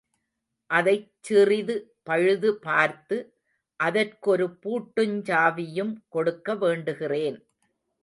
அதைச் சிறிது பழுது பார்த்து அதற்கொரு பூட்டுஞ்சாவியும் கொடுக்க வேண்டுகிறேன்.